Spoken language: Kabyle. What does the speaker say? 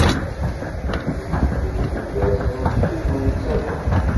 Njelleb fell-as, nessuden-itt akk.